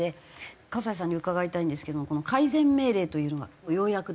河西さんに伺いたいんですけどもこの改善命令というのがようやく出す事ができたと。